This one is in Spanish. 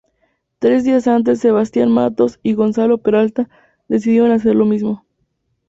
Tres días antes, Sebastián Matos y Gonzalo Peralta decidieron hacer lo mismo.